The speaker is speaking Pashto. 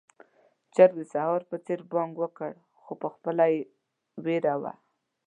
چرګ د سهار په څېر بانګ وکړ، خو پخپله يې وېره وه.